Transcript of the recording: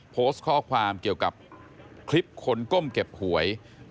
โพสต์ข้อความเกี่ยวกับคลิปคนก้มเก็บหวย